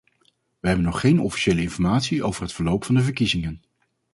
We hebben nog geen officiële informatie over het verloop van de verkiezingen.